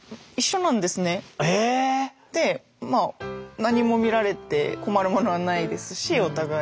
でまあ何も見られて困るものはないですしお互い。